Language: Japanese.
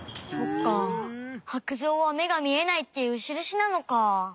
そっか白杖はめがみえないっていうしるしなのか。